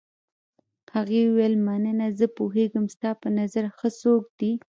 هغې وویل: مننه، زه پوهېږم ستا په نظر ښه څوک دی.